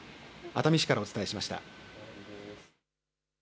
熱海市からお伝えしました。